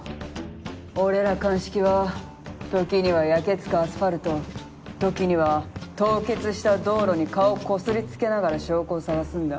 俺ら鑑識は時には焼け付くアスファルト時には凍結した道路に顔こすりつけながら証拠を捜すんだ。